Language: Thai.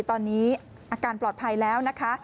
ตอนนี้อาการปลอดภัยแล้วนะคะ